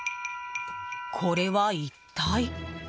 これは一体？